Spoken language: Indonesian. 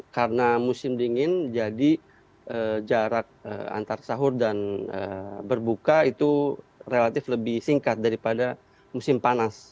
karena musim dingin jadi jarak antar sahur dan berbuka itu relatif lebih singkat daripada musim panas